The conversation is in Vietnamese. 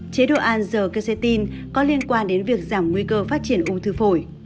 chế độ ăn dờ quercetin có liên quan đến việc giảm nguy cơ phát triển ung thư phổi